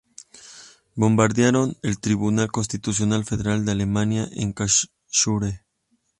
Bombardearon el Tribunal Constitucional Federal de Alemania en Karlsruhe.